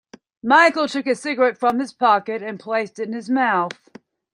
Michael took a cigarette from his pocket and placed it in his mouth.